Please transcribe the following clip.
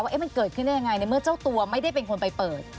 ว่ามันเกิดขึ้นได้ยังไงในเมื่อเจ้าตัวไม่ได้เป็นคนไปเปิด